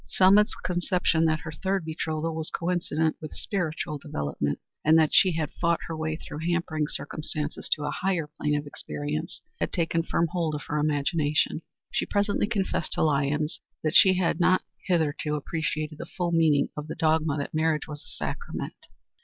Selma's conception that her third betrothal was coincident with spiritual development, and that she had fought her way through hampering circumstances to a higher plane of experience, had taken firm hold of her imagination. She presently confessed to Lyons that she had not hitherto appreciated the full meaning of the dogma that marriage was a sacrament.